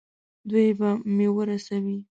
دوی به مې ورسوي.